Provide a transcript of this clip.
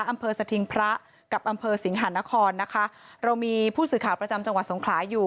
อำเภอสถิงพระกับอำเภอสิงหานครนะคะเรามีผู้สื่อข่าวประจำจังหวัดสงขลาอยู่